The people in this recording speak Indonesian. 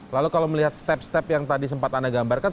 lalu kalau melihat step step yang tadi sempat anda gambarkan